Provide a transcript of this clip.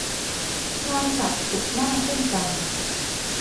งานจัดศุกร์หน้าเช่นกัน